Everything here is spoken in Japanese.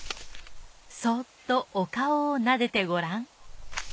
そっとおかおをなでてごらん。